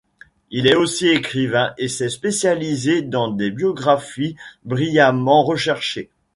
Il est aussi écrivain et s'est spécialisé dans des biographies brillamment recherchées.